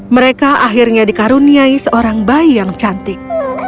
mereka akhirnya dikaruniai seorang bayi yang cantik